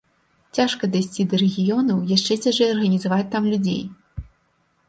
Цяжка дайсці да рэгіёнаў, яшчэ цяжэй арганізаваць там людзей.